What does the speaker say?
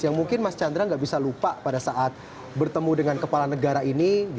yang mungkin mas chandra nggak bisa lupa pada saat bertemu dengan kepala negara ini